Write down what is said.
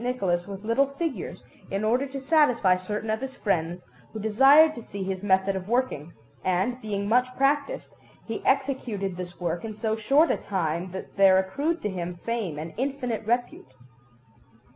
Nicholas with little figures, in order to satisfy certain of his friends, who desired to see his method of working; and, being much practised, he executed this work in so short a time that there accrued to him fame and infinite repute.